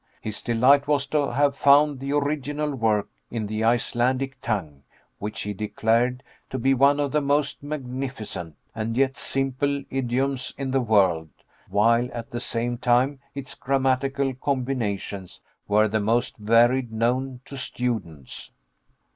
His delight was to have found the original work in the Icelandic tongue, which he declared to be one of the most magnificent and yet simple idioms in the world while at the same time its grammatical combinations were the most varied known to students.